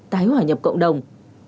tái hỏa nhập cộng đồng